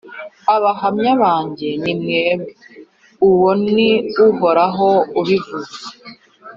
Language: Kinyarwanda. abahamya banjye ni mwebwe, uwo ni uhoraho ubivuze,